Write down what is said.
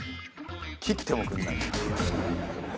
切ってもくれない。